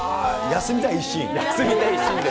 休みたい一心で。